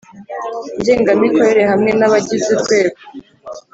Ngengamikorere hamwe n abagize urwego